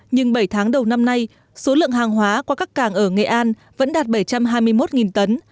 nhưng bảy tháng đầu năm nay số lượng hàng hóa qua các cảng ở nghệ an vẫn đạt bảy trăm hai mươi một tấn